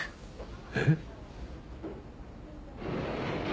えっ？